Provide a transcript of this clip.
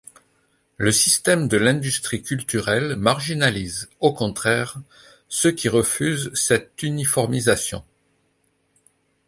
Le système de l'industrie culturelle marginalise, au contraire, ceux qui refusent cette uniformisation.